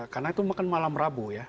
karena itu mungkin malam rabu ya